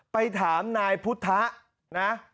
ไปถามนายพุทธะนะ